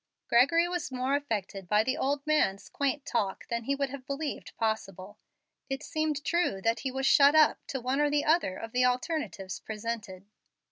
Gregory was more affected by the old man's quaint talk than he would have believed possible. It seemed true that he was "shut up" to one or the other of the alternatives presented.